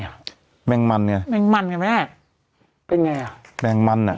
เคยแม่งมันเป็นยังไงหรอแม่งมันนะ